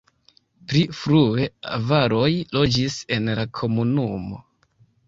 Pli frue avaroj loĝis en la komunumo.